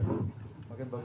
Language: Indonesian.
di luar biasa dan sempat ini